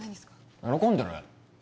喜んでる？